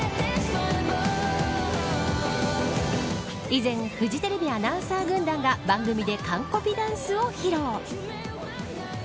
以前フジテレビアナウンサー軍団が番組で完コピダンスを披露。